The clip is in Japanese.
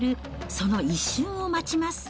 その一瞬を待ちます。